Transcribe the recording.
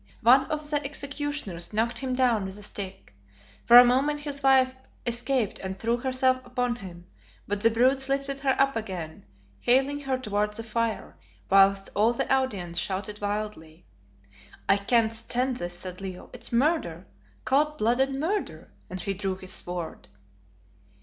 One of the executioners knocked him down with a stick. For a moment his wife escaped and threw herself upon him, but the brutes lifted her up again, haling her towards the fire, whilst all the audience shouted wildly. "I can't stand this," said Leo, "it's murder coldblooded murder," and he drew his sword.